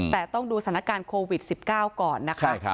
แต่ต้องดูสถานการณ์โควิด๑๙ก่อนนะคะ